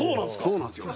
そうなんですよ。